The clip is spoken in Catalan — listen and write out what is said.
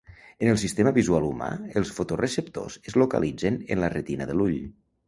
En el sistema visual humà els fotoreceptors es localitzen en la retina de l'ull.